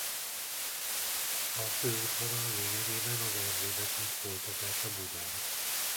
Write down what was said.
A főútvonal lényegében az Erzsébet híd folytatása Budán.